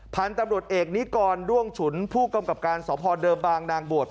พันธุ์ตำรวจเอกนิกรด้วงฉุนผู้กำกับการสพเดิมบางนางบวช